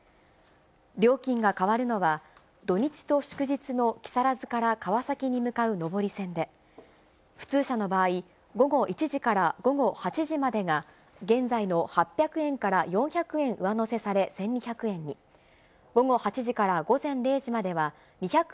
料金が変わるのは、土日と祝日の木更津から川崎に向かう上り線で、普通車の場合、午後１時から午後８時までが現在の８００円から４００円上乗せさ全国の皆さん、こんにちは。